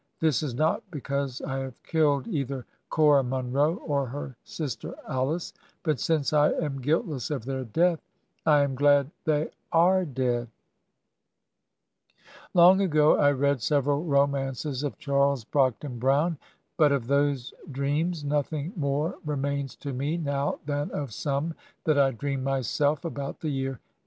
This is not because I have killed either Cora Munro or her sister Alice ; but since I am guilt less of their death I am glad they are dead. Long ago I read several romances of Charles Brock III Digitized by VjOOQIC HEROINES OF FICTION den Brown, but of those dreams nothing more remains to me now than of some that I dreamed myself about the year 1875.